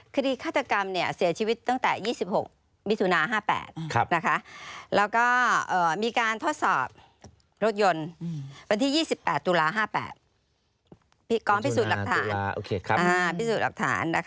คดีคาตกรรมเนี่ยเสียชีวิตตั้งแต่๒๖วิทุนา๕๘นะคะแล้วก็มีการทดสอบรถยนต์วันที่๒๘ตุลา๕๘